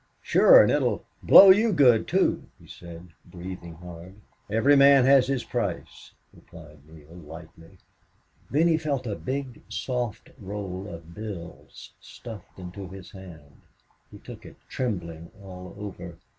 "Sure. And it'll blow you good, too," he said, breathing hard. "Every man has his price," replied Neale, lightly. Then he felt a big, soft roll of bills stuffed into his hand. He took it, trembling all over.